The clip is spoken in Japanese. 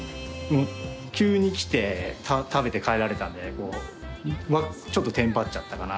急に来て食べて帰られたんでちょっとテンパっちゃったかな